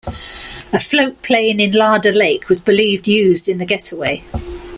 A float plane in Larder Lake was believed used in the getaway.